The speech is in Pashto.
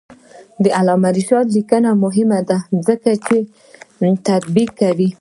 د علامه رشاد لیکنی هنر مهم دی ځکه چې تطبیق کوي.